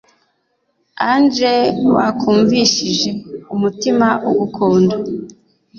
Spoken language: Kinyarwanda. Anje wakumvishije umutima ugukunda